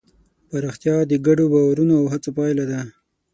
پراختیا د ګډو باورونو او هڅو پایله ده.